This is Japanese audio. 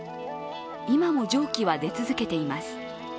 今も蒸気は出続けています。